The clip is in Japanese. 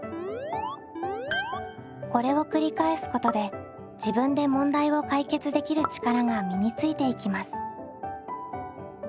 これを繰り返すことで自分で問題を解決できる力が身についていきます。